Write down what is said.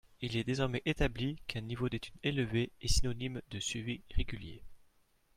Il est désormais établi qu’un niveau d’études élevé est synonyme de suivi régulier.